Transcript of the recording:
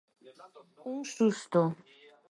Un susto.